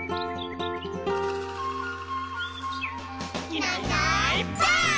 「いないいないばあっ！」